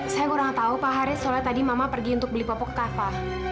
saya kurang tahu pak haris soalnya tadi mama pergi untuk beli popok ke kafal